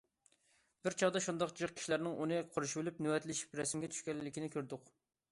بىر چاغدا شۇنداق جىق كىشىلەرنىڭ ئۇنى قورشىۋېلىپ نۆۋەتلىشىپ رەسىمگە چۈشكەنلىكىنى كۆردۇق.